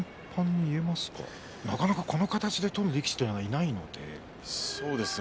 なかなかこの形で取る力士はいないんでね。